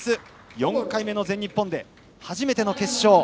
４回目の全日本で初めての決勝。